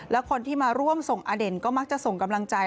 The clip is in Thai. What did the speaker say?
และคนที่มาร่วมส่งอเด่นก็มักจะส่งกำลังใจ